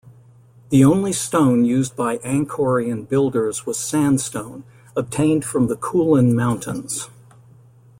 The only stone used by Angkorian builders was sandstone, obtained from the Kulen mountains.